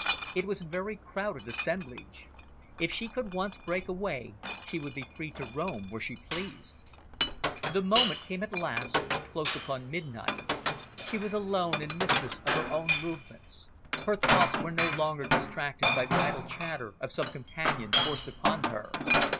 It was a very crowded assemblage. If she could once break away, she would be free to roam where she pleased. The moment came at last, close upon midnight. She was alone and mistress of her own movements. Her thoughts were no longer distracted by the idle chatter of some companion forced upon her.